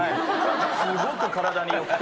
すごく体によくて。